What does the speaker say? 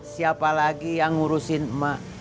siapa lagi yang ngurusin emak